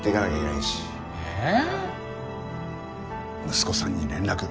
息子さんに連絡。